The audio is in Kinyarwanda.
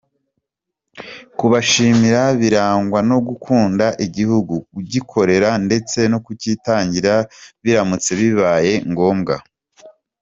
Kubashimira birangwe no gukunda igihugu, kugikorera ndetse no kucyitangira biramutse bibaye ngombwa.